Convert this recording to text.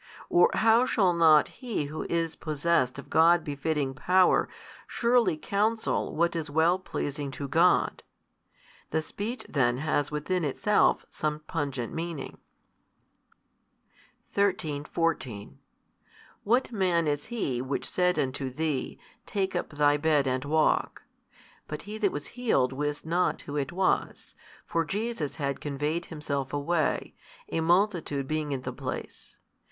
or how shall not He Who is possessed of God befitting Power surely counsel what is well pleasing to God? The speech then has within itself some pungent meaning. 13, 14 What Man is He Which said unto thee, Take up thy bed and walk? But he that was healed wist not Who it was: for Jesus had conveyed Himself away, a multitude being in the place.